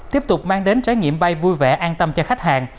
tiếp tục mang đến trải nghiệm bay vui vẻ an tâm cho khách hàng